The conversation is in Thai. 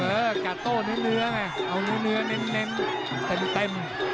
กัดโต้เนื้อไงเอาเนื้อเน้นเต็ม